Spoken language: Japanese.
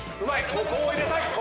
ここを入れたい。